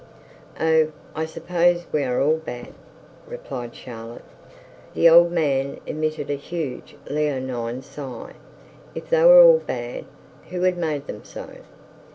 'Oh, I suppose we are all bad,' replied Charlotte. The old man emitted a huge leonine sigh. If they were all bad, who had made them so?